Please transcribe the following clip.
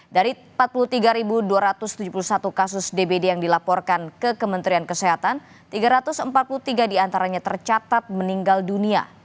dari empat puluh tiga dua ratus tujuh puluh satu kasus dbd yang dilaporkan ke kementerian kesehatan tiga ratus empat puluh tiga diantaranya tercatat meninggal dunia